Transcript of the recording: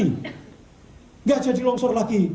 tidak jadi longsor lagi